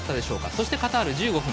そしてカタール、１５分。